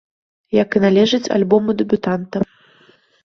Як і належыць альбому дэбютанта.